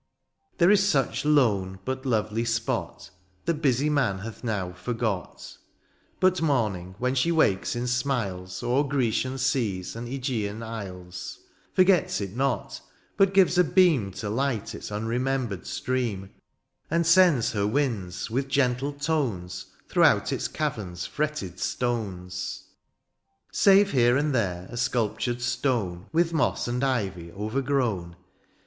There is such lone^ but lovely spot^ That busy man hath now forgot :— But mornings when she wakes in smiles^ (Ver Grecian seas«md iEgean isles^ Forgets it not^ but gives a beam To light its unremembered stream^ And sends her winds with gentle tones Throughout its cavem^s firetted stones. Save here and there a sculptured stone^ With moss and ivy overgrown.